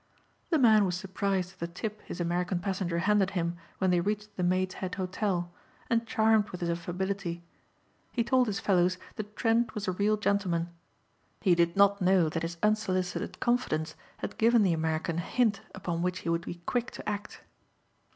The man was surprised at the tip his American passenger handed him when they reached the Maids' Head Hotel, and charmed with his affability. He told his fellows that Trent was a real gentleman. He did not know that his unsolicited confidence had given the American a hint upon which he would be quick to act.